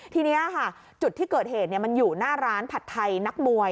ทีนี้ค่ะจุดที่เกิดเหตุมันอยู่หน้าร้านผัดไทยนักมวย